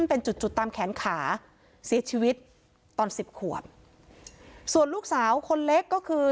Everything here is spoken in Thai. เป็นจุดจุดตามแขนขาเสียชีวิตตอนสิบขวบส่วนลูกสาวคนเล็กก็คือ